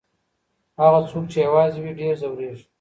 هغه څوک چي يوازې وي ډېر ځوريږي.